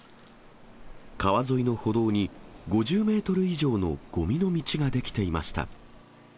川沿いの歩道に、５０メートル以上のごみの道が出来ていました。